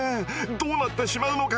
どうなってしまうのか？